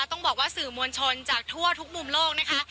ต้องบอกว่าสื่อมวลชนจากทั่วทุกมุมโลกนะคะ